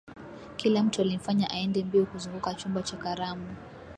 kila mtu alimfanya aende mbio kuzunguka chumba cha karamu